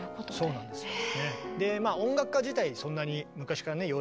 そうなんですよね。